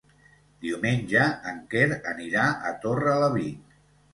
Diumenge en Quer anirà a Torrelavit.